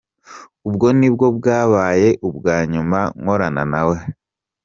Ubwo nibwo bwabaye ubwa nyuma nkorana nawe.